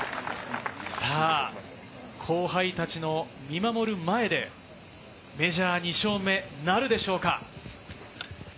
後輩たちの見守る前で、メジャー２勝目なるでしょうか？